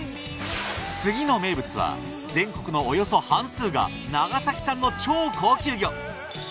次の名物は全国のおよそ半数が長崎産の超高級魚。